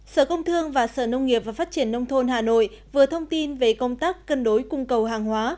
sở công thương và sở nông nghiệp và phát triển nông thôn hà nội vừa thông tin về công tác cân đối cung cầu hàng hóa